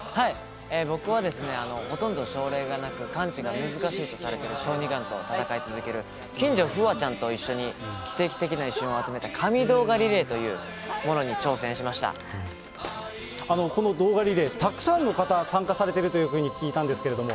僕は、ほとんど症例がなく、完治が難しいとされてる小児がんと闘い続けるきんじょうふわちゃんと一緒に奇跡的な一瞬を集めた神動画リレーというものに挑戦しこの動画リレー、たくさんの方、参加されてるというふうに聞いたんですけれども。